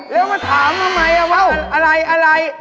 แล้วมาถามทำไมว่าอะไรอะไร